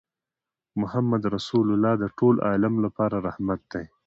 محمدُ رَّسول الله د ټول عالم لپاره رحمت دی